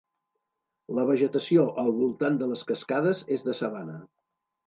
La vegetació al voltant de les cascades és de sabana.